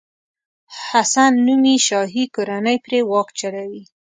حسن نومي شاهي کورنۍ پرې واک چلوي.